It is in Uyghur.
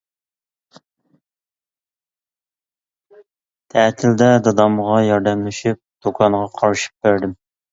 تەتىلدە دادامغا ياردەملىشىپ دۇكانغا قارىشىپ بەردىم.